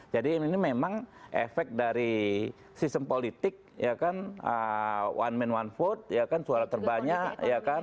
jadi ini memang efek dari sistem politik ya kan one man one vote ya kan suara terbanyak ya kan